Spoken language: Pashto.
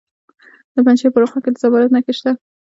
د پنجشیر په روخه کې د زمرد نښې شته.